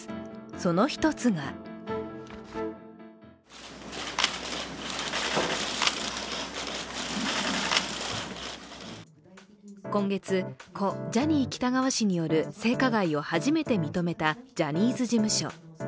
その１つが今月、故・ジャニー喜多川氏による性加害を初めて認めたジャニーズ事務所。